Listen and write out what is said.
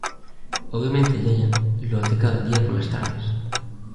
Obviamente Yaya, lo hace cada día por las tardes.